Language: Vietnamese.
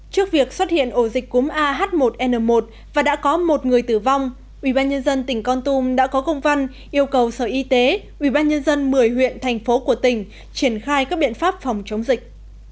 trước việc xuất hiện ổ dịch cúm ah một n một và đã có một người tử vong ubnd tỉnh con tum đã có công văn yêu cầu sở y tế ubnd một mươi huyện thành phố của tỉnh triển khai các biện pháp phòng chống dịch